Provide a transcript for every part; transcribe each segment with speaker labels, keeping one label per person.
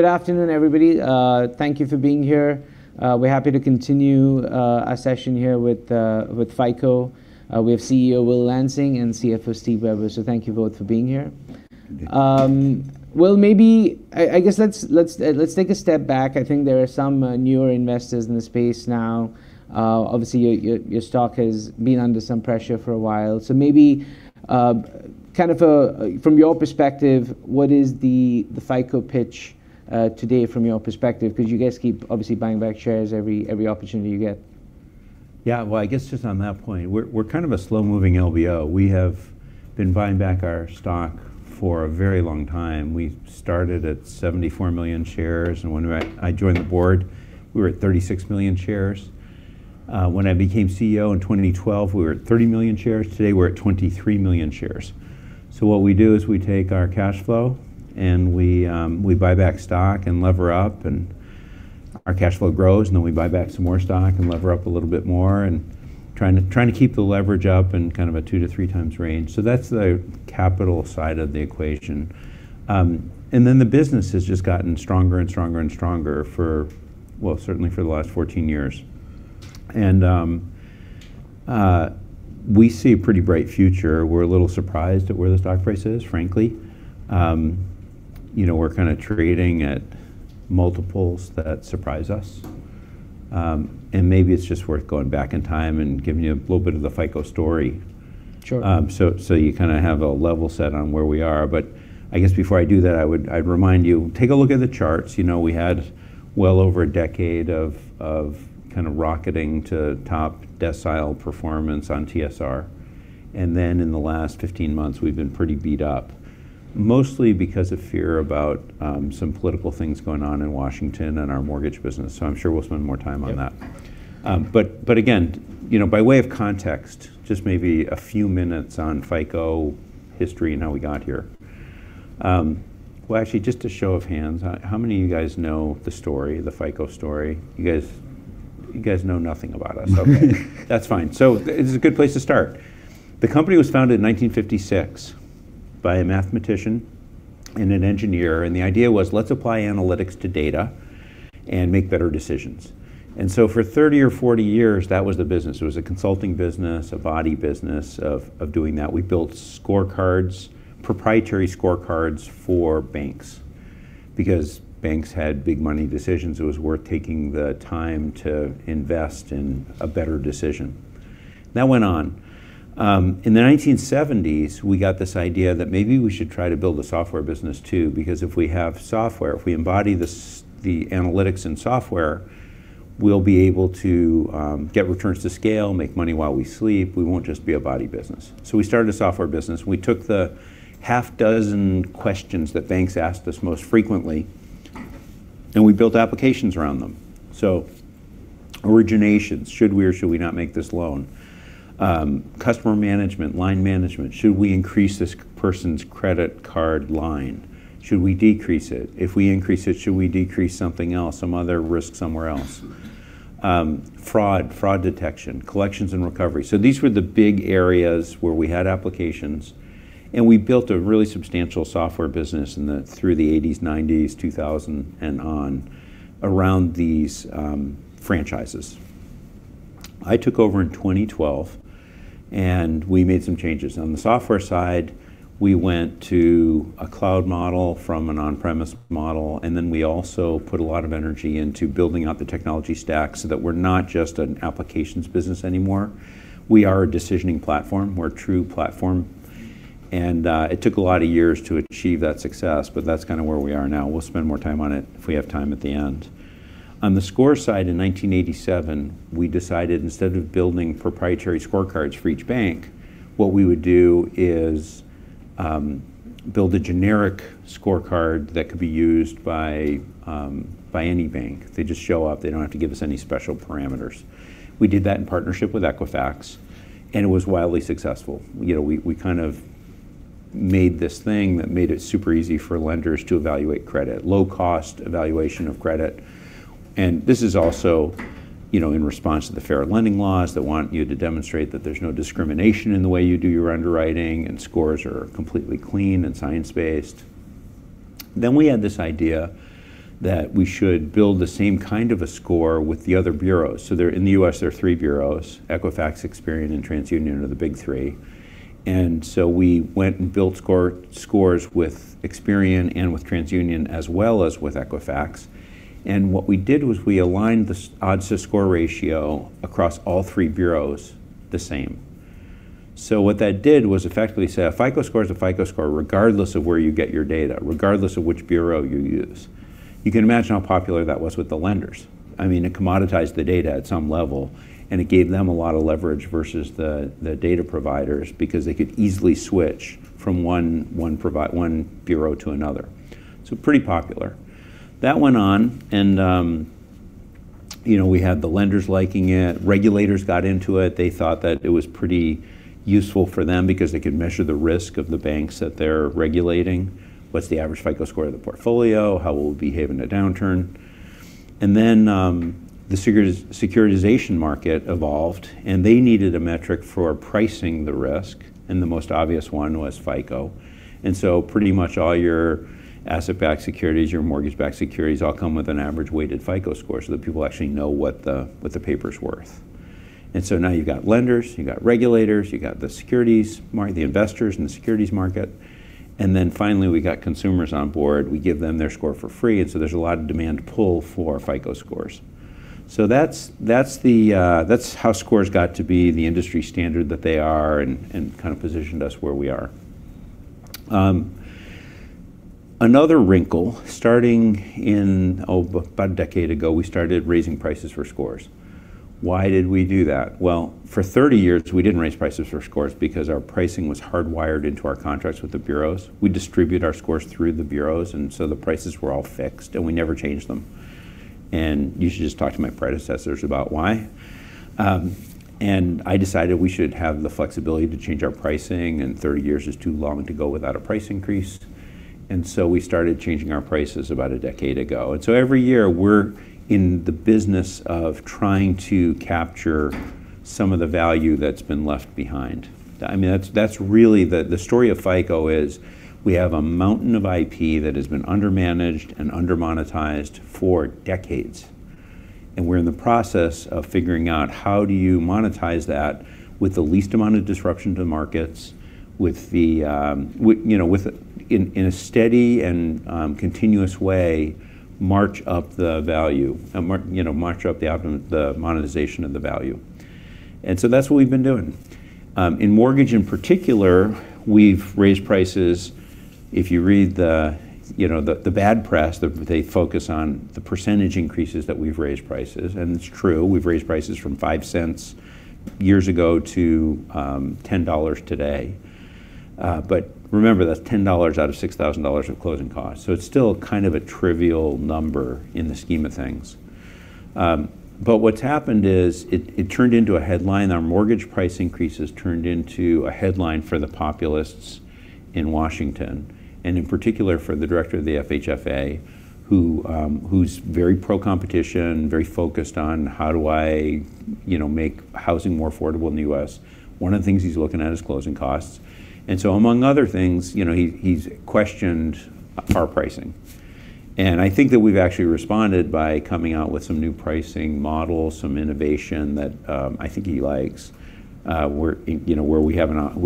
Speaker 1: Good afternoon, everybody. Thank you for being here. We're happy to continue our session here with FICO. We have CEO William J. Lansing and CFO Steven Weber. Thank you both for being here.
Speaker 2: Thank you.
Speaker 1: Well, maybe I guess let's take a step back. I think there are some newer investors in the space now. Obviously, your stock has been under some pressure for a while. Maybe, kind of a From your perspective, what is the FICO pitch today from your perspective? Because you guys keep obviously buying back shares every opportunity you get.
Speaker 2: Yeah. Well, I guess just on that point, we're kind of a slow-moving LBO. We have been buying back our stock for a very long time. We started at 74 million shares, when I joined the board, we were at 36 million shares. When I became CEO in 2012, we were at 30 million shares. Today, we're at 23 million shares. What we do is we take our cashflow and we buy back stock and lever up, our cashflow grows, then we buy back some more stock and lever up a little bit more and trying to keep the leverage up in kind of a two to three times range. That's the capital side of the equation. The business has just gotten stronger and stronger and stronger for, well, certainly for the last 14 years. We see a pretty bright future. We're a little surprised at where the stock price is, frankly. You know, we're kinda trading at multiples that surprise us. Maybe it's just worth going back in time and giving you a little bit of the FICO story.
Speaker 1: Sure
Speaker 2: So you kinda have a level set on where we are. I guess before I do that, I'd remind you, take a look at the charts. You know, we had well over a decade of kinda rocketing to top decile performance on TSR. In the last 15 months, we've been pretty beat up, mostly because of fear about some political things going on in Washington and our mortgage business. I'm sure we'll spend more time on that.
Speaker 1: Yeah.
Speaker 2: But again, you know, by way of context, just maybe a few minutes on FICO history and how we got here. Well, actually, just a show of hands, how many of you guys know the story, the FICO story? You guys, you guys know nothing about us. Okay. That's fine. It's a good place to start. The company was founded in 1956 by a mathematician and an engineer, the idea was let's apply analytics to data and make better decisions. For 30 or 40 years, that was the business. It was a consulting business, a body business of doing that. We built scorecards, proprietary scorecards for banks because banks had big money decisions. It was worth taking the time to invest in a better decision. That went on. In the 1970s, we got this idea that maybe we should try to build a software business too because if we have software, if we embody the analytics and software, we'll be able to get returns to scale, make money while we sleep. We won't just be a body business. We started a software business. We took the half dozen questions that banks asked us most frequently, and we built applications around them. Originations, should we or should we not make this loan? Customer management, line management, should we increase this person's credit card line? Should we decrease it? If we increase it, should we decrease something else, some other risk somewhere else? Fraud, fraud detection, collections and recovery. These were the big areas where we had applications, and we built a really substantial software business in the through the 1980s, 1990s, 2000, and on around these franchises. I took over in 2012, and we made some changes. On the software side, we went to a cloud model from an on-premise model. We also put a lot of energy into building out the technology stack so that we're not just an applications business anymore. We are a decisioning platform. We're a true platform. It took a lot of years to achieve that success, but that's kinda where we are now. We'll spend more time on it if we have time at the end. On the score side, in 1987, we decided instead of building proprietary scorecards for each bank, what we would do is build a generic scorecard that could be used by any bank. They just show up. They don't have to give us any special parameters. We did that in partnership with Equifax, and it was wildly successful. You know, we kind of made this thing that made it super easy for lenders to evaluate credit, low cost evaluation of credit. This is also, you know, in response to the Fair Lending Laws that want you to demonstrate that there's no discrimination in the way you do your underwriting and scores are completely clean and science-based. We had this idea that we should build the same kind of a score with the other bureaus. In the U.S., there are three bureaus. Equifax, Experian, and TransUnion are the big three. We went and built scores with Experian and with TransUnion as well as with Equifax. What we did was we aligned the odds to score ratio across all three bureaus the same. What that did was effectively say a FICO Score is a FICO Score regardless of where you get your data, regardless of which bureau you use. You can imagine how popular that was with the lenders. I mean, it commoditized the data at some level, and it gave them a lot of leverage versus the data providers because they could easily switch from one bureau to another. Pretty popular. That went on and, you know, we had the lenders liking it. Regulators got into it. They thought that it was pretty useful for them because they could measure the risk of the banks that they're regulating. What's the average FICO Score of the portfolio? How will it behave in a downturn? Then the securitization market evolved, and they needed a metric for pricing the risk, and the most obvious one was FICO. Pretty much all your asset-backed securities, your mortgage-backed securities all come with an average weighted FICO Score so that people actually know what the paper's worth. Now you've got lenders, you've got regulators, you've got the investors and the securities market, finally we got consumers on board. We give them their score for free, there's a lot of demand pull for FICO Scores. That's the, that's how scores got to be the industry standard that they are and kind of positioned us where we are. Another wrinkle, starting in about a decade ago, we started raising prices for scores. Why did we do that? Well, for 30 years we didn't raise prices for scores because our pricing was hardwired into our contracts with the bureaus. We distribute our scores through the bureaus, the prices were all fixed, and we never changed them. You should just talk to my predecessors about why. I decided we should have the flexibility to change our pricing, 30 years is too long to go without a price increase, we started changing our prices about a decade ago. Every year we're in the business of trying to capture some of the value that's been left behind. I mean, that's really the story of FICO is we have a mountain of IP that has been undermanaged and undermonetized for decades, and we're in the process of figuring out how do you monetize that with the least amount of disruption to markets, with a, in a steady and continuous way march up the value, march up the monetization of the value. That's what we've been doing. In mortgage in particular, we've raised prices. If you read the, you know, the bad press, they focus on the % increases that we've raised prices, and it's true. We've raised prices from $0.05 years ago to $10 today. Remember, that's $10 out of $6,000 of closing costs, so it's still kind of a trivial number in the scheme of things. What's happened is it turned into a headline. Our mortgage price increases turned into a headline for the populists in Washington, in particular for the Director of the FHFA, who's very pro-competition, very focused on how do I, you know, make housing more affordable in the U.S. One of the things he's looking at is closing costs. Among other things, you know, he's questioned our pricing. I think that we've actually responded by coming out with some new pricing models, some innovation that, I think he likes, where, you know, we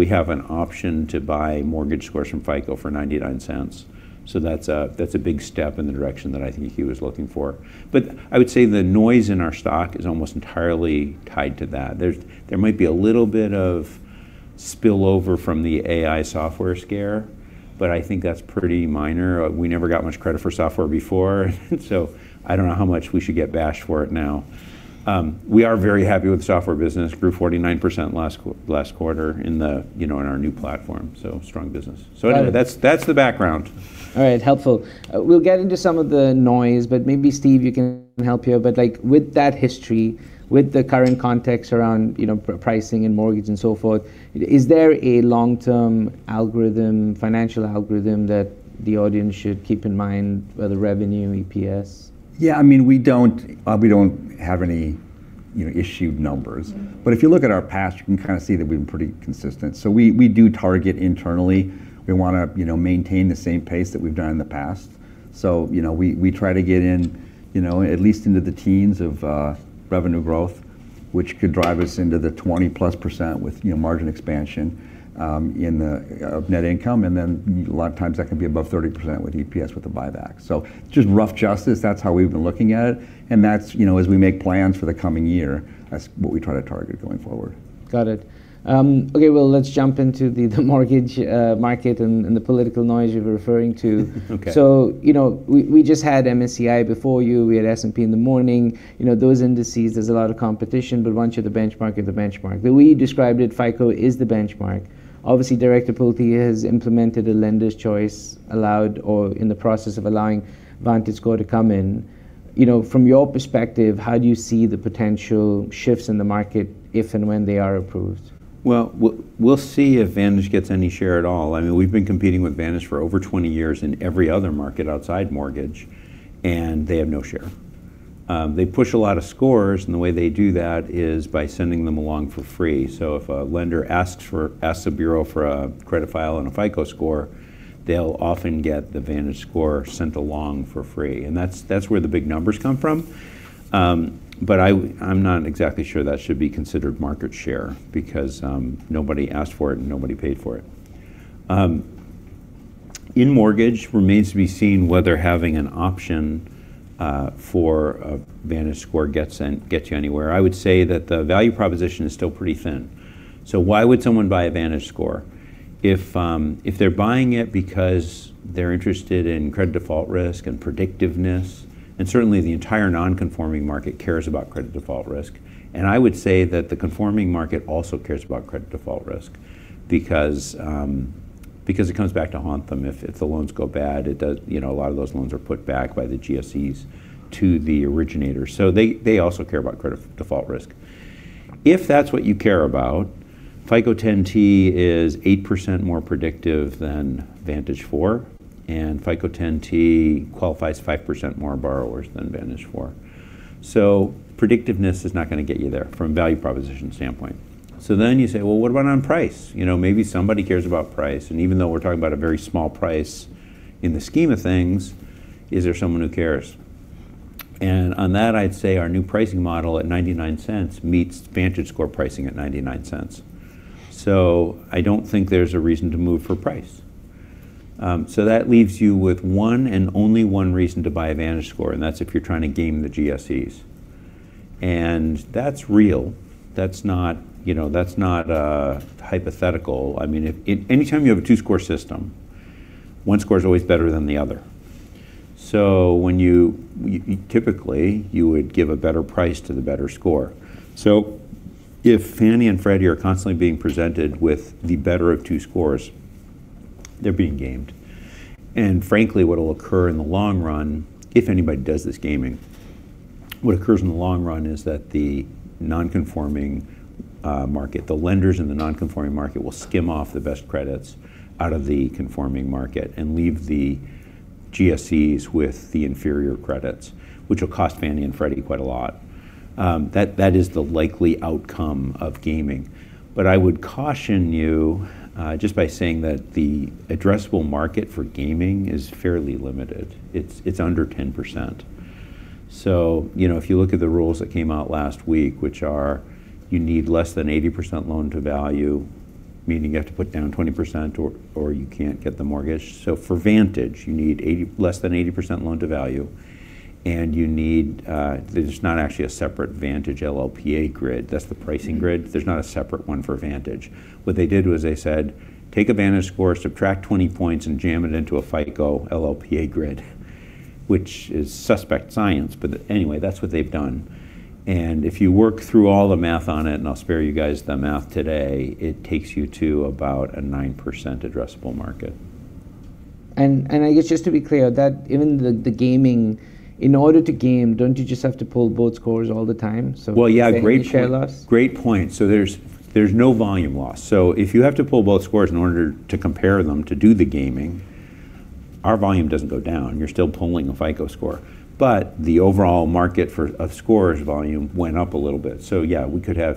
Speaker 2: have an option to buy mortgage scores from FICO for $0.99. That's a big step in the direction that I think he was looking for. I would say the noise in our stock is almost entirely tied to that. There might be a little bit of spillover from the AI software scare, but I think that's pretty minor. We never got much credit for software before, so I don't know how much we should get bashed for it now. We are very happy with the software business. Grew 49% last quarter in the, you know, in our new platform, so strong business. Anyway, that's the background.
Speaker 1: All right. Helpful. We'll get into some of the noise, but maybe Steven, you can help here. Like, with that history, with the current context around, you know, pricing and mortgage and so forth, is there a long-term algorithm, financial algorithm that the audience should keep in mind, whether revenue, EPS?
Speaker 3: I mean, we don't, we don't have any, you know, issued numbers. If you look at our past, you can kind of see that we've been pretty consistent. We, we do target internally. We want to, you know, maintain the same pace that we've done in the past. You know, we try to get in, you know, at least into the teens of revenue growth, which could drive us into the 20+% with, you know, margin expansion in the net income, and then a lot of times that can be above 30% with EPS with the buyback. Just rough justice, that's how we've been looking at it. That's, you know, as we make plans for the coming year, that's what we try to target going forward.
Speaker 1: Got it. Okay, well, let's jump into the mortgage market and the political noise you were referring to.
Speaker 3: Okay.
Speaker 1: You know, we just had MSCI before you. We had S&P in the morning. You know, those indices, there's a lot of competition, but once you're the benchmark, you're the benchmark. The way you described it, FICO is the benchmark. Obviously, Director William J. Pulte has implemented a lender's choice, allowed or in the process of allowing VantageScore to come in. You know, from your perspective, how do you see the potential shifts in the market if and when they are approved?
Speaker 2: Well, we'll see if Vantage gets any share at all. I mean, we've been competing with Vantage for over 20 years in every other market outside mortgage, and they have no share. They push a lot of scores, and the way they do that is by sending them along for free. If a lender asks the bureau for a credit file and a FICO Score, they'll often get the VantageScore sent along for free, and that's where the big numbers come from. I'm not exactly sure that should be considered market share because nobody asked for it and nobody paid for it. In mortgage, remains to be seen whether having an option for a VantageScore gets you anywhere. I would say that the value proposition is still pretty thin. Why would someone buy a VantageScore? If, if they're buying it because they're interested in credit default risk and predictiveness, and certainly the entire non-conforming market cares about credit default risk, and I would say that the conforming market also cares about credit default risk because it comes back to haunt them. If, if the loans go bad, you know, a lot of those loans are put back by the GSEs to the originator. They also care about credit default risk. If that's what you care about, FICO Score 10T is 8% more predictive than VantageScore 4, and FICO Score 10T qualifies 5% more borrowers than VantageScore 4. Predictiveness is not gonna get you there from a value proposition standpoint. You say, "Well, what about on price?" You know, maybe somebody cares about price, and even though we're talking about a very small price in the scheme of things, is there someone who cares? On that, I'd say our new pricing model at $0.99 meets VantageScore pricing at $0.99. I don't think there's a reason to move for price. That leaves you with one and only one reason to buy a VantageScore, and that's if you're trying to game the GSEs. That's real. That's not, you know, that's not hypothetical. I mean, if anytime you have a two-score system, one score's always better than the other. When you typically, you would give a better price to the better score. If Fannie and Freddie are constantly being presented with the better of two scores, they're being gamed. Frankly, what'll occur in the long run, if anybody does this gaming, what occurs in the long run is that the non-conforming market, the lenders in the non-conforming market will skim off the best credits out of the conforming market and leave the Government-Sponsored Enterprises with the inferior credits, which will cost Fannie Mae and Freddie Mac quite a lot. That is the likely outcome of gaming. I would caution you, just by saying that the addressable market for gaming is fairly limited. It's under 10%. You know, if you look at the rules that came out last week, which are you need less than 80% loan to value, meaning you have to put down 20%, or you can't get the mortgage. For Vantage, you need 80% less than 80% loan to value, and you need, there's not actually a separate Vantage LLPA grid. That's the pricing grid. There's not a separate one for Vantage. What they did was they said, "Take a VantageScore, subtract 20 points, and jam it into a FICO LLPA grid," which is suspect science, but anyway, that's what they've done. If you work through all the math on it, and I'll spare you guys the math today, it takes you to about a 9% addressable market.
Speaker 1: I guess just to be clear, that even the gaming, in order to game, don't you just have to pull both scores all the time?
Speaker 2: Well, yeah.
Speaker 1: potential share loss?
Speaker 2: Great point. There's no volume loss. If you have to pull both scores in order to compare them to do the gaming, our volume doesn't go down. You're still pulling a FICO score. The overall market of scores volume went up a little bit. Yeah,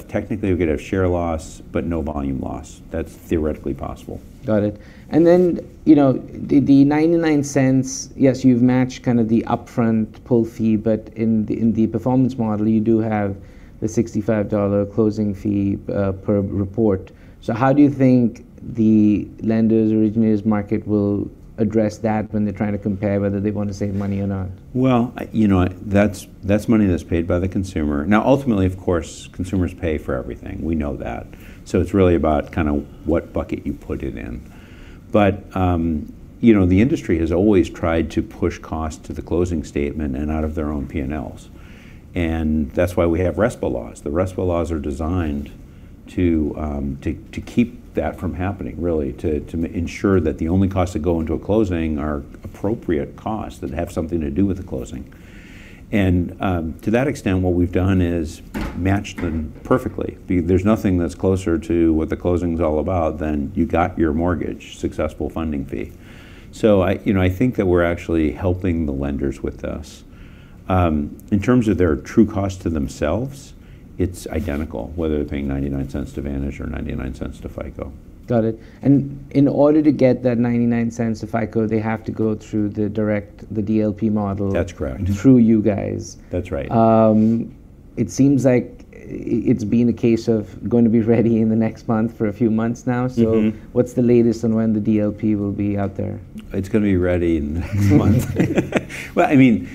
Speaker 2: technically we could have share loss, but no volume loss. That's theoretically possible.
Speaker 1: Got it. You know, the $0.99, yes, you've matched kind of the upfront pull fee, but in the, in the performance model, you do have the $65 closing fee per report. How do you think the lenders, originators market will address that when they're trying to compare whether they want to save money or not?
Speaker 2: Well, you know, that's money that's paid by the consumer. Ultimately, of course, consumers pay for everything. We know that. It's really about kind of what bucket you put it in. You know, the industry has always tried to push cost to the closing statement and out of their own P&Ls. That's why we have RESPA laws. The RESPA laws are designed to keep that from happening, really, to ensure that the only costs that go into a closing are appropriate costs that have something to do with the closing. To that extent, what we've done is matched them perfectly. There's nothing that's closer to what the closing's all about than you got your mortgage, successful funding fee. You know, I think that we're actually helping the lenders with this. In terms of their true cost to themselves, it's identical whether they're paying $0.99 to Vantage or $0.99 to FICO.
Speaker 1: Got it. In order to get that $0.99 to FICO, they have to go through the direct, the DLP model.
Speaker 2: That's correct.
Speaker 1: through you guys.
Speaker 2: That's right.
Speaker 1: It seems like it's been a case of gonna be ready in the next month for a few months now. What's the latest on when the DLP will be out there?
Speaker 2: It's gonna be ready next month. Well, I mean,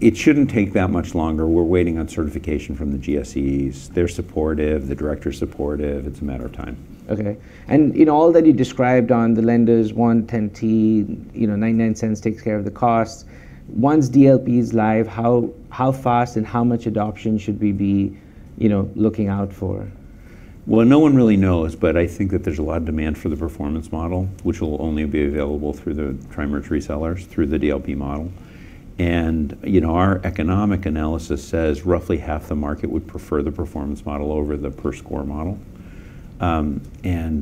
Speaker 2: it shouldn't take that much longer. We're waiting on certification from the GSEs. They're supportive. The Director's supportive. It's a matter of time.
Speaker 1: Okay. In all that you described on the lenders want FICO Score 10T, you know, $0.99 takes care of the cost, once DLP is live, how fast and how much adoption should we be, you know, looking out for?
Speaker 2: Well, no one really knows, but I think that there's a lot of demand for the performance model, which will only be available through the tri-merge resellers, through the DLP model.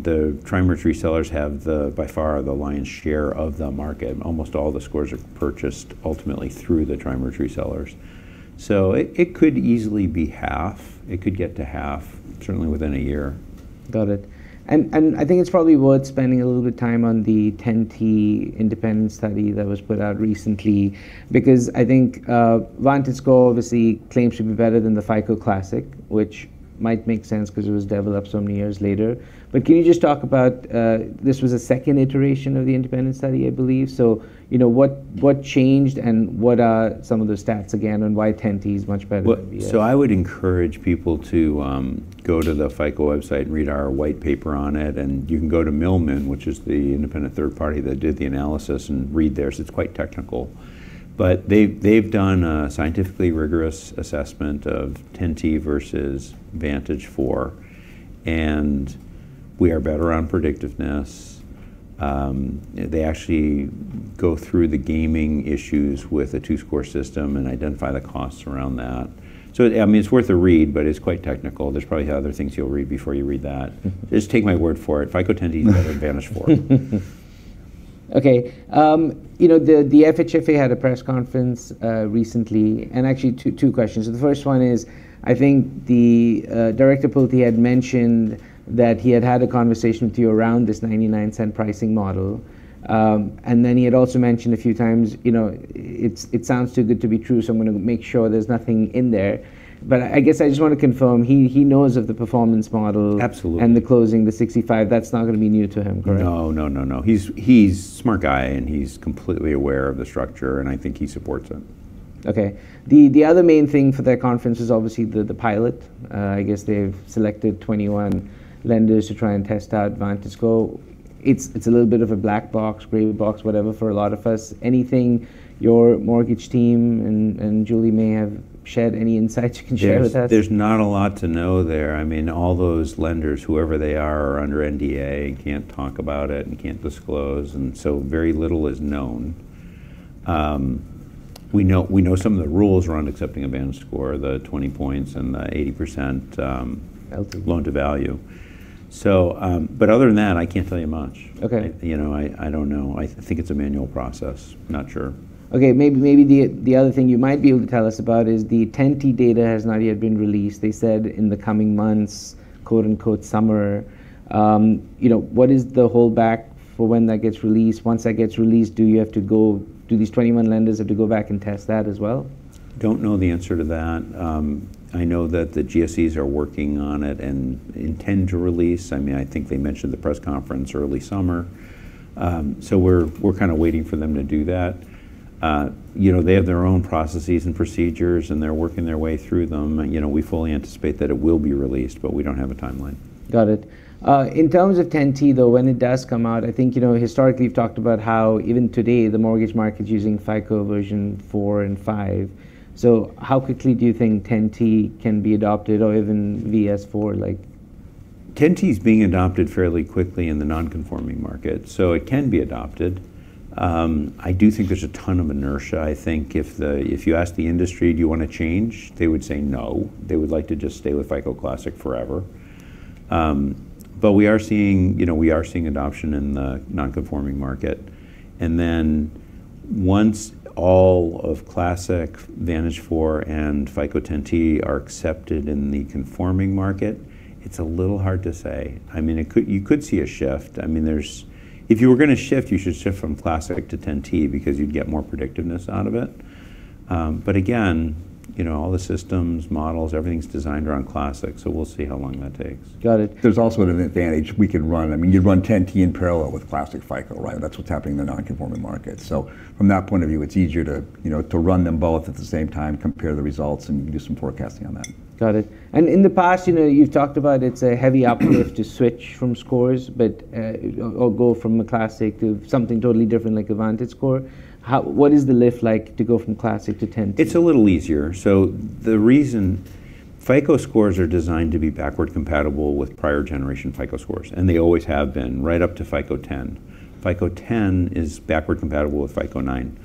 Speaker 2: The tri-merge resellers have the, by far, the lion's share of the market. Almost all the scores are purchased ultimately through the tri-merge resellers. It could easily be half. It could get to half, certainly within a year.
Speaker 1: Got it. I think it's probably worth spending a little bit of time on the FICO Score 10T independent study that was put out recently because I think VantageScore obviously claims to be better than the Classic FICO, which might make sense because it was developed so many years later. Can you just talk about this was a second iteration of the independent study, I believe. what changed and what are some of the stats again, and why FICO Score 10T is much better than the other?
Speaker 2: I would encourage people to go to the FICO website and read our white paper on it, and you can go to Milliman, which is the independent third party that did the analysis, and read theirs. It's quite technical. They've done a scientifically rigorous assessment of FICO Score 10T versus VantageScore 4, and we are better on predictiveness. They actually go through the gaming issues with the two-score system and identify the costs around that. I mean, it's worth a read, but it's quite technical. There's probably other things you'll read before you read that. Take my word for it, FICO Score 10T is better than VantageScore 4.
Speaker 1: Okay. You know, the FHFA had a press conference recently, actually two questions. The first one is, I think the Director William J. Pulte had mentioned that he had a conversation with you around this $0.99 pricing model. He had also mentioned a few times, you know, it sounds too good to be true, so I'm gonna make sure there's nothing in there. I guess I just wanna confirm, he knows of the performance model.
Speaker 2: Absolutely
Speaker 1: The closing, the 65, that's not gonna be new to him, correct?
Speaker 2: No, no, no. He's smart guy, and he's completely aware of the structure, and I think he supports it.
Speaker 1: Okay. The other main thing for that conference is obviously the pilot. I guess they've selected 21 lenders to try and test out VantageScore. It's a little bit of a black box, gray box, whatever, for a lot of us. Anything your mortgage team and Julie may have shed any insights you can share with us?
Speaker 2: Yes. There's not a lot to know there. I mean, all those lenders, whoever they are under NDA, and can't talk about it, and can't disclose, and so very little is known. We know some of the rules around accepting a VantageScore, the 20 points and the 80%.
Speaker 1: Okay
Speaker 2: loan-to-value. But other than that, I can't tell you much.
Speaker 1: Okay.
Speaker 2: I, you know, I don't know. I think it's a manual process. Not sure.
Speaker 1: Okay. Maybe the other thing you might be able to tell us about is the FICO Score 10T data has not yet been released. They said in the coming months, quote, unquote, "summer." You know, what is the holdback for when that gets released? Once that gets released, do these 21 lenders have to go back and test that as well?
Speaker 2: Don't know the answer to that. I know that the GSEs are working on it and intend to release. I mean, I think they mentioned the press conference early summer. We're kinda waiting for them to do that. You know, they have their own processes and procedures, they're working their way through them. You know, we fully anticipate that it will be released, but we don't have a timeline.
Speaker 1: Got it. In terms of FICO Score 10T though, when it does come out, I think, you know, historically you've talked about how even today the mortgage market's using FICO Score 4 and 5. How quickly do you think FICO Score 10T can be adopted or even VS4, like?
Speaker 2: 10T's being adopted fairly quickly in the non-conforming market, it can be adopted. I do think there's a ton of inertia. I think if the, if you ask the industry, "Do you wanna change?" They would say no. They would like to just stay with Classic FICO forever. We are seeing, you know, we are seeing adoption in the non-conforming market. Once all of Classic FICO, VantageScore 4.0, and FICO Score 10T are accepted in the conforming market, it's a little hard to say. I mean, you could see a shift. I mean, there's if you were gonna shift, you should shift from Classic FICO to FICO Score 10T because you'd get more predictiveness out of it. Again, you know, all the systems, models, everything's designed around Classic FICO, we'll see how long that takes.
Speaker 1: Got it.
Speaker 2: There's also an advantage. We could run, I mean, you'd run FICO Score 10T in parallel with Classic FICO, right? That's what's happening in the non-conforming market. From that point of view, it's easier to, you know, to run them both at the same time, compare the results, and you can do some forecasting on that.
Speaker 1: Got it. In the past, you know, you've talked about it's a heavy uplift to switch from scores, but, or go from a Classic to something totally different like a VantageScore. What is the lift like to go from Classic to FICO Score 10T?
Speaker 2: It's a little easier. The reason, FICO Scores are designed to be backward-compatible with prior generation FICO Scores, and they always have been right up to FICO Score 10. FICO Score 10 is backward-compatible with FICO Score 9.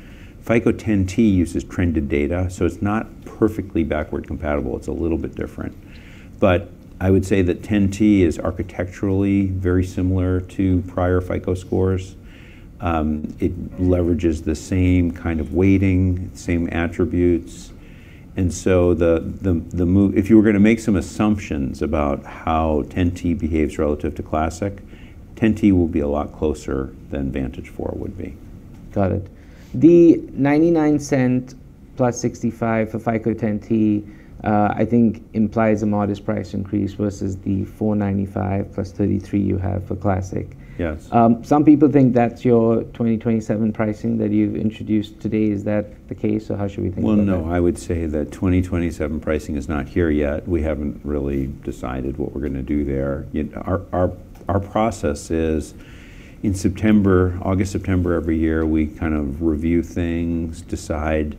Speaker 2: FICO Score 10T uses trended data, so it's not perfectly backward-compatible. It's a little bit different. I would say that FICO Score 10T is architecturally very similar to prior FICO Scores. It leverages the same kind of weighting, same attributes. If you were gonna make some assumptions about how FICO Score 10T behaves relative to Classic, FICO Score 10T will be a lot closer than VantageScore 4 would be.
Speaker 1: Got it. The $0.99 plus $0.65 for FICO Score 10T, I think implies a modest price increase versus the $4.95 plus $0.33 you have for Classic FICO.
Speaker 2: Yes.
Speaker 1: Some people think that's your 2027 pricing that you've introduced today. Is that the case? How should we think about that?
Speaker 2: Well, no. I would say that 2027 pricing is not here yet. We haven't really decided what we're gonna do there. You know, our process is in September, August, September every year, we kind of review things, decide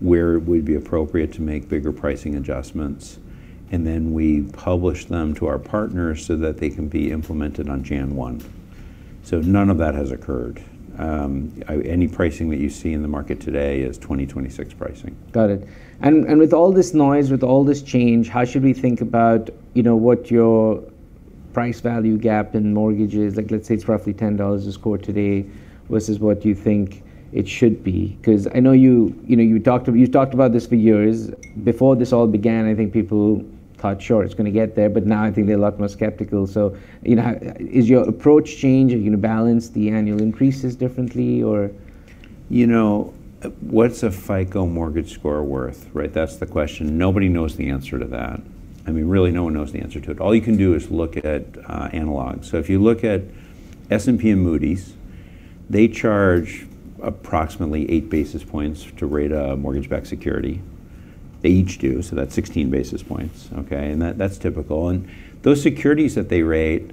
Speaker 2: where it would be appropriate to make bigger pricing adjustments, and then we publish them to our partners so that they can be implemented on January 1. None of that has occurred. Any pricing that you see in the market today is 2026 pricing.
Speaker 1: Got it. With all this noise, with all this change, how should we think about, you know, what your price value gap in mortgages, like let's say it's roughly $10 a score today, versus what you think it should be? I know you know, you talked about this for years. Before this all began, I think people thought, "Sure, it's gonna get there," but now I think they're a lot more skeptical. You know, is your approach changed? Are you gonna balance the annual increases differently?
Speaker 2: You know, what's a FICO mortgage score worth, right? That's the question. Nobody knows the answer to that. I mean, really, no one knows the answer to it. All you can do is look at analogs. If you look at S&P and Moody's, they charge approximately 8 basis points to rate a mortgage-backed security. They each do, that's 16 basis points, okay? That's typical. Those securities that they rate,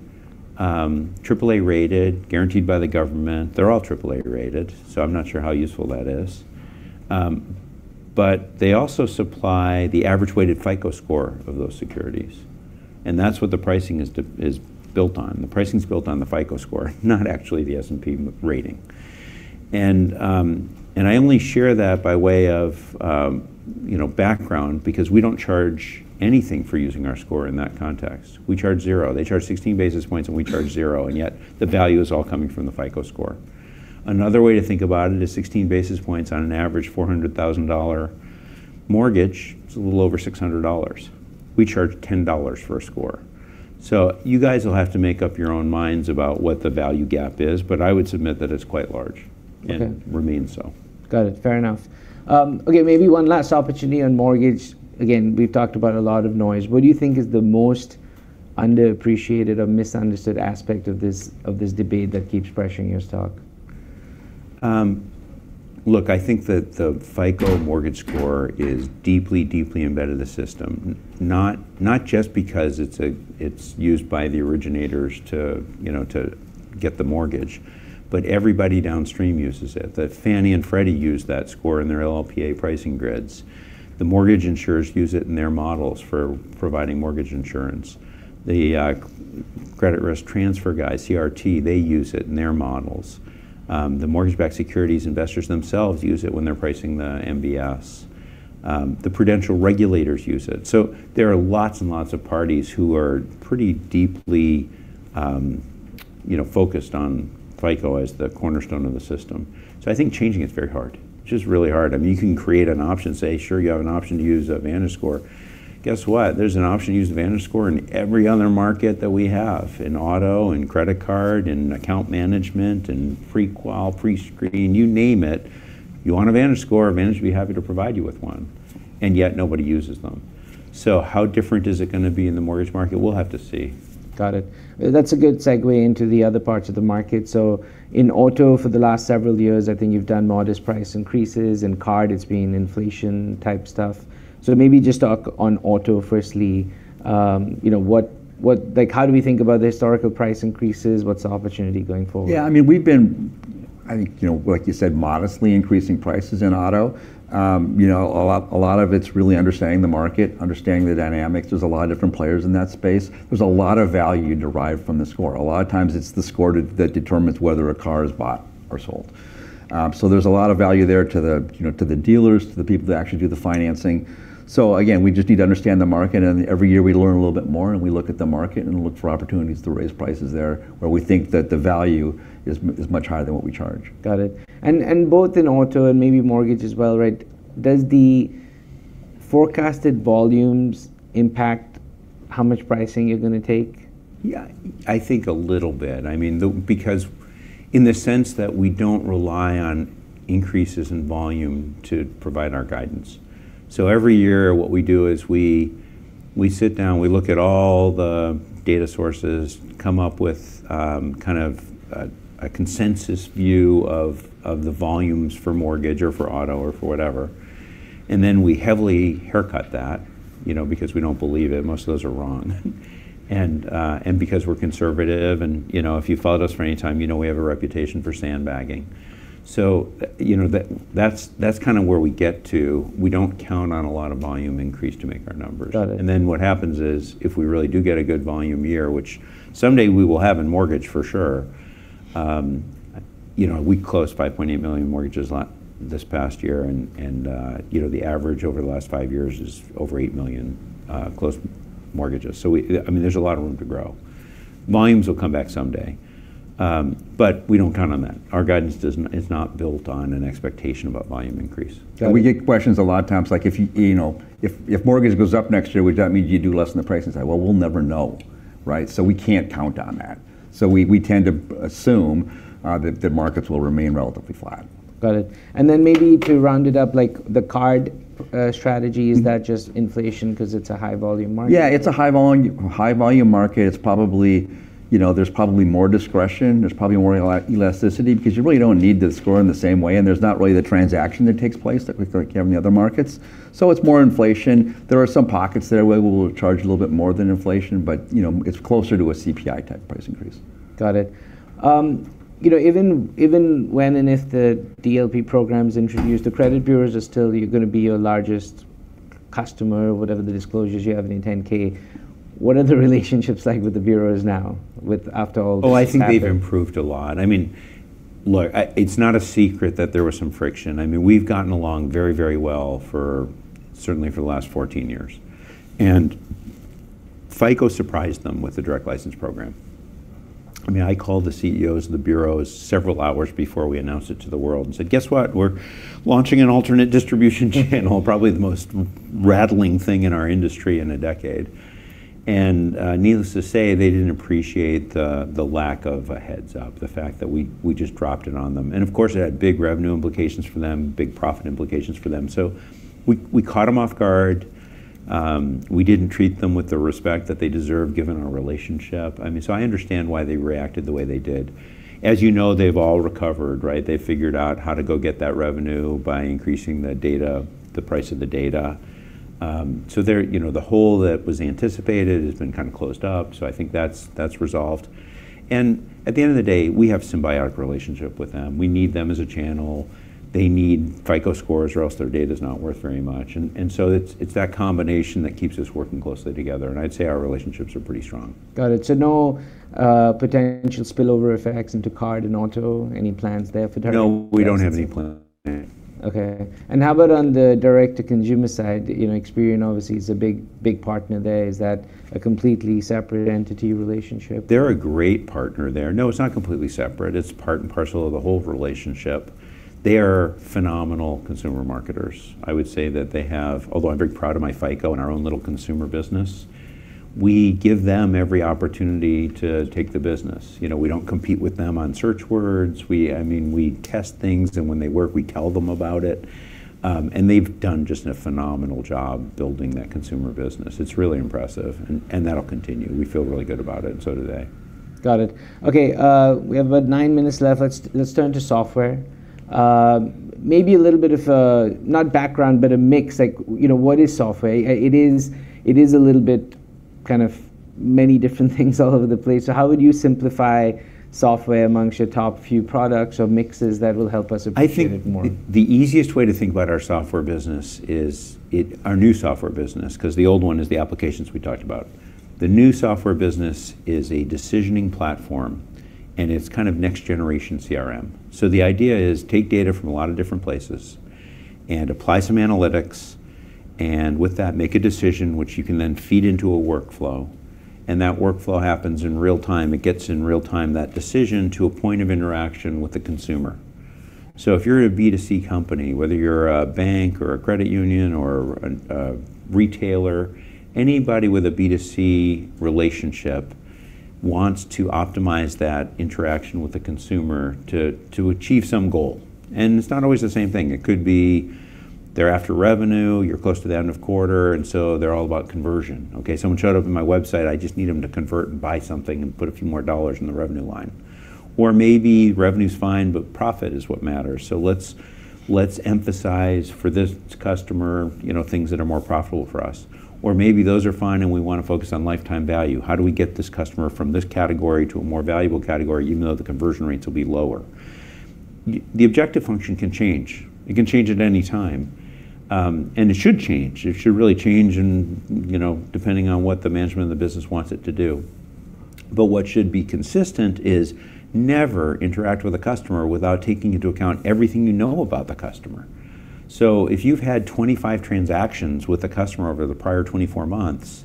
Speaker 2: triple A rated, guaranteed by the government, they're all triple A rated, I'm not sure how useful that is. They also supply the average weighted FICO score of those securities. That's what the pricing is built on. The pricing's built on the FICO score, not actually the S&P rating. I only share that by way of, you know, background because we don't charge anything for using our Score in that context. We charge zero. They charge 16 basis points and we charge zero, and yet the value is all coming from the FICO Score. Another way to think about it is 16 basis points on an average $400,000 mortgage is a little over $600. We charge $10 for a Score. You guys will have to make up your own minds about what the value gap is, but I would submit that it's quite large.
Speaker 1: Okay
Speaker 2: remains so.
Speaker 1: Got it. Fair enough. Okay, maybe one last opportunity on mortgage. We've talked about a lot of noise. What do you think is the most underappreciated or misunderstood aspect of this, of this debate that keeps pressuring your stock?
Speaker 2: Look, I think that the FICO mortgage score is deeply embedded in the system. Not just because it's used by the originators to, you know, to get the mortgage, but everybody downstream uses it, that Fannie Mae and Freddie Mac use that score in their LLPA pricing grids. The mortgage insurers use it in their models for providing mortgage insurance. The credit risk transfer guys, CRT, they use it in their models. The mortgage-backed securities investors themselves use it when they're pricing the MBS. The prudential regulators use it. There are lots and lots of parties who are pretty deeply, you know, focused on FICO as the cornerstone of the system. I think changing it's very hard. It's just really hard. I mean, you can create an option, say, sure, you have an option to use a VantageScore. Guess what? There's an option to use a VantageScore in every other market that we have, in auto, in credit card, in account management, in pre-qual, pre-screen, you name it. You want a VantageScore, Vantage would be happy to provide you with one, and yet nobody uses them. How different is it gonna be in the mortgage market? We'll have to see.
Speaker 1: Got it. That's a good segue into the other parts of the market. In auto for the last several years, I think you've done modest price increases. In card, it's been inflation type stuff. Maybe just talk on auto firstly. You know, what like, how do we think about the historical price increases? What's the opportunity going forward?
Speaker 2: Yeah, I mean, we've been, I think, you know, like you said, modestly increasing prices in auto. You know, a lot of it's really understanding the market, understanding the dynamics. There's a lot of different players in that space. There's a lot of value derived from the score. A lot of times it's the score that determines whether a car is bought or sold. There's a lot of value there to the, you know, to the dealers, to the people that actually do the financing. Again, we just need to understand the market, and every year we learn a little bit more, and we look at the market and look for opportunities to raise prices there, where we think that the value is much higher than what we charge.
Speaker 1: Got it. Both in auto and maybe mortgage as well, right? Does the forecasted volumes impact how much pricing you're gonna take?
Speaker 2: Yeah, I think a little bit. I mean, Because in the sense that we don't rely on increases in volume to provide our guidance. Every year what we do is we sit down, we look at all the data sources, come up with kind of a consensus view of the volumes for mortgage or for auto or for whatever, and then we heavily haircut that, you know, because we don't believe it. Most of those are wrong. And because we're conservative and, you know, if you've followed us for any time, you know we have a reputation for sandbagging. You know, that's kind of where we get to. We don't count on a lot of volume increase to make our numbers.
Speaker 1: Got it.
Speaker 2: What happens is, if we really do get a good volume year, which someday we will have in mortgage for sure, you know, we closed $5.8 million mortgages this past year and, you know, the average over the last five years is over $8 million closed mortgages. I mean, there's a lot of room to grow. Volumes will come back someday. We don't count on that. Our guidance is not built on an expectation about volume increase.
Speaker 1: Got it.
Speaker 2: We get questions a lot of times like if you know, "If mortgage goes up next year, would that mean you'd do less in the pricing side?" Well, we'll never know, right? We can't count on that. We tend to assume that the markets will remain relatively flat.
Speaker 1: Got it. Maybe to round it up, like the card, strategy. Is that just inflation 'cause it's a high volume market?
Speaker 2: Yeah, it's a high volume market. It's probably, you know, there's more discretion. There's probably more elasticity because you really don't need the score in the same way, and there's not really the transaction that takes place like we have in the other markets. It's more inflation. There are some pockets there where we'll charge a little bit more than inflation but, you know, it's closer to a CPI type price increase.
Speaker 1: Got it. you know, even when and if the DLP program is introduced, the credit bureaus are still gonna be your largest customer, whatever the disclosures you have in your 10-K. What are the relationships like with the bureaus now with after all this has happened?
Speaker 2: I think they've improved a lot. It's not a secret that there was some friction. We've gotten along very, very well for certainly for the last 14 years. FICO surprised them with the Direct License Program. I called the CEOs of the bureaus several hours before we announced it to the world and said, "Guess what? We're launching an alternate distribution channel," probably the most rattling thing in our industry in a decade. Needless to say, they didn't appreciate the lack of a heads-up, the fact that we just dropped it on them. Of course, it had big revenue implications for them, big profit implications for them. We caught them off guard. We didn't treat them with the respect that they deserve given our relationship. I mean, I understand why they reacted the way they did. As you know, they've all recovered, right? They figured out how to go get that revenue by increasing the data, the price of the data. They're, you know, the hole that was anticipated has been kind of closed up, so I think that's resolved. At the end of the day, we have symbiotic relationship with them. We need them as a channel. They need FICO scores or else their data's not worth very much. It's that combination that keeps us working closely together, and I'd say our relationships are pretty strong.
Speaker 1: Got it. No, potential spillover effects into card and auto? Any plans there for targeting?
Speaker 2: No, we don't have any plans there.
Speaker 1: Okay. How about on the direct-to-consumer side? You know, Experian obviously is a big, big partner there. Is that a completely separate entity relationship?
Speaker 2: They're a great partner there. No, it's not completely separate. It's part and parcel of the whole relationship. They are phenomenal consumer marketers. I would say that they have Although I'm very proud of my FICO and our own little consumer business, we give them every opportunity to take the business. You know, we don't compete with them on search words. We, I mean, we test things, and when they work, we tell them about it. They've done just a phenomenal job building that consumer business. It's really impressive, and that'll continue. We feel really good about it, and so do they.
Speaker 1: Got it. Okay, we have about nine minutes left. Let's turn to software. Maybe a little bit of not background, but a mix. Like, you know, what is software? It is a little bit kind of many different things all over the place, so how would you simplify software amongst your top few products or mixes that will help us appreciate it more?
Speaker 2: I think the easiest way to think about our FICO Software business is our new FICO Software business, cause the old one is the applications we talked about. The new FICO Software business is a decisioning platform, it's kind of next generation CRM. The idea is take data from a lot of different places and apply some analytics, and with that, make a decision which you can then feed into a workflow, and that workflow happens in real time. It gets, in real time, that decision to a point of interaction with the consumer. If you're a B2C company, whether you're a bank or a credit union or a retailer, anybody with a B2C relationship wants to optimize that interaction with the consumer to achieve some goal. It's not always the same thing. It could be they're after revenue. You're close to the end of quarter. They're all about conversion, okay? Someone showed up on my website, I just need them to convert and buy something and put a few more dollars in the revenue line. Maybe revenue's fine, but profit is what matters, so let's emphasize for this customer, you know, things that are more profitable for us. Maybe those are fine and we wanna focus on lifetime value. How do we get this customer from this category to a more valuable category even though the conversion rates will be lower? The objective function can change. It can change at any time, and it should change. It should really change and, you know, depending on what the management of the business wants it to do. What should be consistent is never interact with a customer without taking into account everything you know about the customer. If you've had 25 transactions with a customer over the prior 24 months,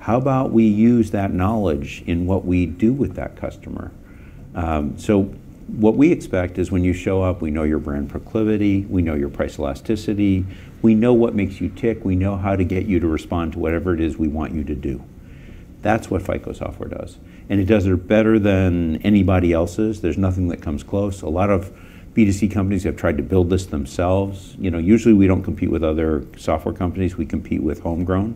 Speaker 2: how about we use that knowledge in what we do with that customer? What we expect is when you show up, we know your brand proclivity. We know your price elasticity. We know what makes you tick. We know how to get you to respond to whatever it is we want you to do. That's what FICO Software does, and it does it better than anybody else's. There's nothing that comes close. A lot of B2C companies have tried to build this themselves. You know, usually we don't compete with other software companies. We compete with homegrown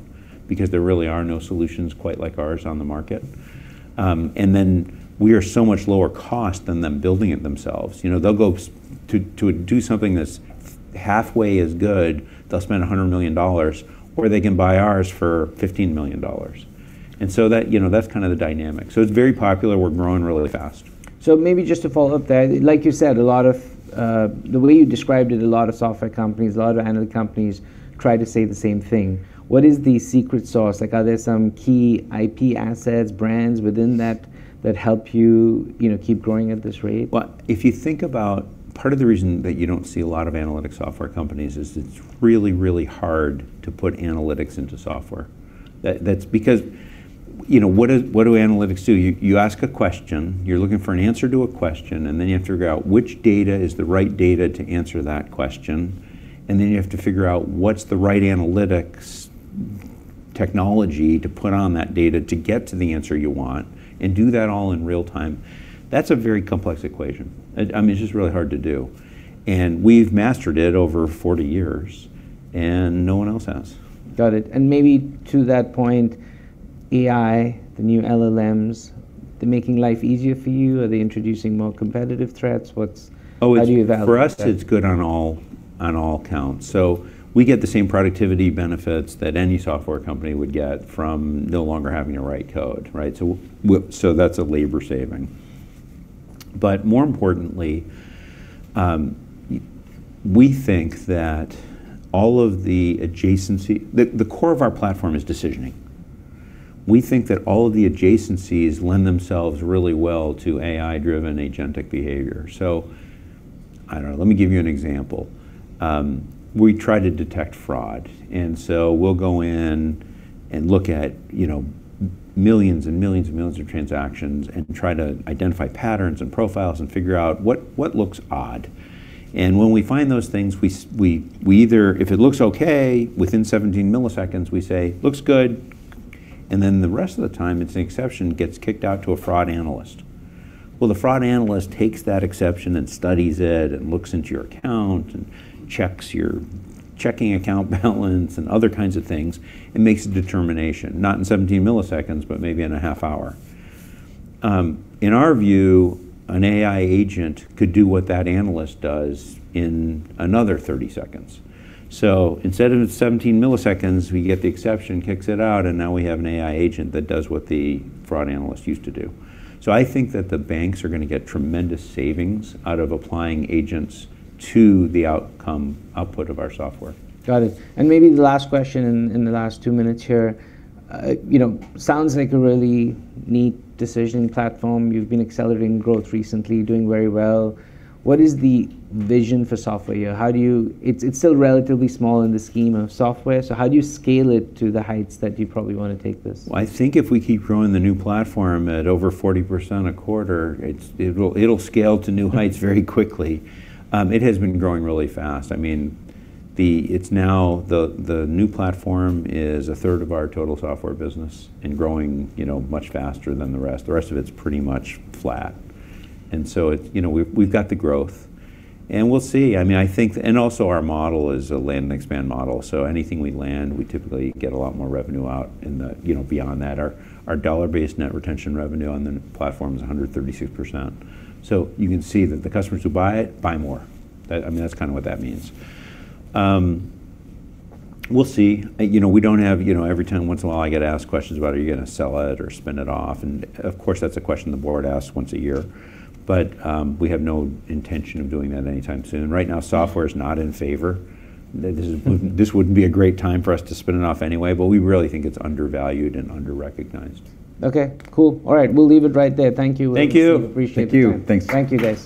Speaker 2: because there really are no solutions quite like ours on the market. We are so much lower cost than them building it themselves. You know, they'll go to do something that's halfway as good, they'll spend $100 million, or they can buy ours for $15 million. That, you know, that's kind of the dynamic. It's very popular. We're growing really fast.
Speaker 1: Maybe just to follow up there, like you said, a lot of, the way you described it, a lot of software companies, a lot of analytics companies try to say the same thing. What is the secret sauce? Like, are there some key IP assets, brands within that that help you know, keep growing at this rate?
Speaker 2: Well, if you think about part of the reason that you don't see a lot of analytics software companies is it's really, really hard to put analytics into software. That's because, you know, what do analytics do? You ask a question. You're looking for an answer to a question. Then you have to figure out which data is the right data to answer that question. Then you have to figure out what's the right analytics technology to put on that data to get to the answer you want, and do that all in real time. That's a very complex equation. I mean, it's just really hard to do, and we've mastered it over 40 years, and no one else has.
Speaker 1: Got it. maybe to that point, AI, the new LLMs, they making life easier for you? Are they introducing more competitive threats?
Speaker 2: Oh, it's-
Speaker 1: How do you evaluate that?
Speaker 2: For us, it's good on all, on all counts. We get the same productivity benefits that any software company would get from no longer having to write code, right? That's a labor saving. More importantly, The core of our platform is decisioning. We think that all of the adjacencies lend themselves really well to AI-driven agentic behavior. I don't know. Let me give you an example. We try to detect fraud, we'll go in and look at, you know, millions and millions and millions of transactions and try to identify patterns and profiles and figure out what looks odd. When we find those things, we either if it looks okay, within 17 milliseconds we say, "Looks good." Then the rest of the time it's an exception, gets kicked out to a fraud analyst. The fraud analyst takes that exception and studies it and looks into your account and checks your checking account balance and other kinds of things and makes a determination, not in 17 milliseconds, but maybe in a half hour. In our view, an AI agent could do what that analyst does in another 30 seconds. Instead of in 17 milliseconds, we get the exception, kicks it out, and now we have an AI agent that does what the fraud analyst used to do. I think that the banks are gonna get tremendous savings out of applying agents to the outcome output of our software.
Speaker 1: Got it. Maybe the last question in the last two minutes here. You know, sounds like a really neat decision platform. You've been accelerating growth recently, doing very well. What is the vision for software? How do you It's still relatively small in the scheme of software, so how do you scale it to the heights that you probably wanna take this?
Speaker 2: I think if we keep growing the new platform at over 40% a quarter, it'll scale to new heights very quickly. It has been growing really fast. I mean, the new platform is 1/3 of our total software business and growing, you know, much faster than the rest. The rest of it's pretty much flat. It you know, we've got the growth, and we'll see. I mean, I think and also our model is a land and expand model, anything we land, we typically get a lot more revenue out in the, you know, beyond that. Our dollar-based net retention revenue on the new platform is 136%. You can see that the customers who buy it, buy more. That, I mean, that's kinda what that means. We'll see. You know, we don't have, you know, every time, once in a while I get asked questions about are you gonna sell it or spin it off. Of course that's a question the Board asks once a year. We have no intention of doing that anytime soon. Right now, Software's not in favor. This wouldn't be a great time for us to spin it off anyway. We really think it's undervalued and under-recognized.
Speaker 1: Okay. Cool. All right. We'll leave it right there. Thank you, William.
Speaker 2: Thank you.
Speaker 1: We appreciate the time.
Speaker 2: Thank you. Thanks.
Speaker 1: Thank you, guys.